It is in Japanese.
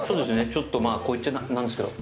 ちょっと、まあ、こう言っちゃなんですけど